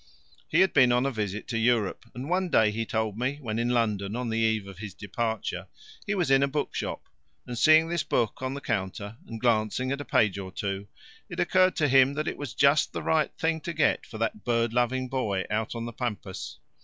He had been on a visit to Europe, and one day, he told me, when in London on the eve of his departure, he was in a bookshop, and seeing this book on the counter and glancing at a page or two, it occurred to him that it was just the right thing to get for that bird loving boy out on the pampas.